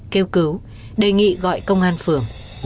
kêu cứu đề nghị gọi công an phường